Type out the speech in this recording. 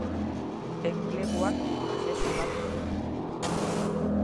Enpleguak prozesu bat du.